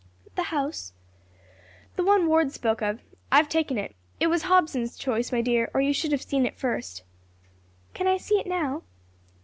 "The house?" "The one Ward spoke of. I have taken it. It was Hobson's choice, my dear, or you should have seen it first." "Can I see it now?"